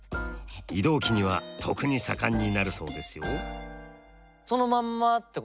異動期には特に盛んになるそうですよ。